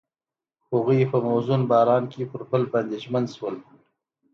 هغوی په موزون باران کې پر بل باندې ژمن شول.